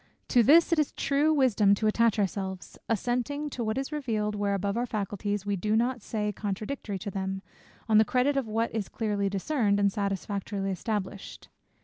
To this it is true wisdom to attach ourselves, assenting to what is revealed where above our faculties, we do not say contradictory to them, on the credit of what is clearly discerned, and satisfactorily established.